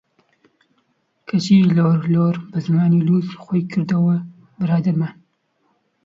کەچی لۆر لۆر بە زمانی لووس، خۆی کردەوە برادەرمان!